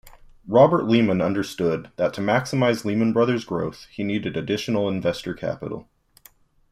Robert Lehman understood that to maximize Lehman Brothers' growth he needed additional investor capital.